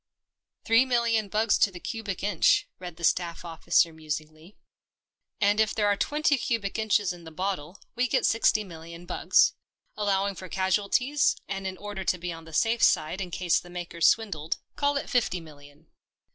" Three million bugs to the cubic inch," read the staff officer musingly. " And if there are twenty cubic inches in the bottle, we get sixty million bugs. Allowing for casualties, and in order to be on the safe side in case the makers swindled, call it fifty million."